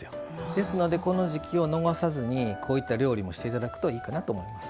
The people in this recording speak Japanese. ですのでこの時季を逃さずにこういった料理もしていただくといいかなと思います。